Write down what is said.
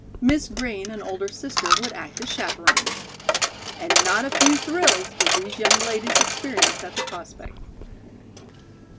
Miss Green, an older sister, would act as chaperone. And not a few thrills did these young ladies experience at the prospect.